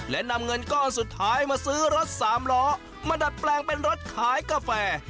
และนำเงินก้อนสุดท้ายมาซื้อรถสามล้อมาดัดแปลงเป็นรถขายกาแฟ